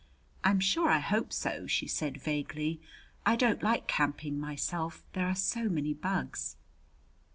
"I'm sure I hope so," she said vaguely. "I don't like camping myself. There are so many bugs."